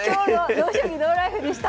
「ＮＯ将棋ＮＯＬＩＦＥ」でした。